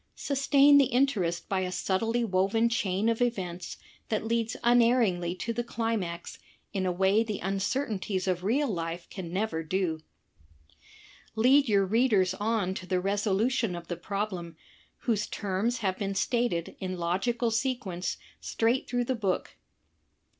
Sustain the interest by a ^^subtlyijwoven chain ^f events thatjeads imerringly to the climax in a way th£ uncertainli^ of real jlfe^cah nev ef"^. "Lead your readers on to the re solution of the problem, whose terms have been stated in logical sequence straight through the book.